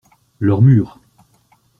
Leur mur.